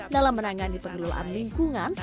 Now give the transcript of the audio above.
dalam menangani pengelolaan lingkungan